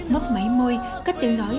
mất máy môi cất tiếng nói